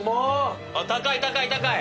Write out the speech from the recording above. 高い高い高い！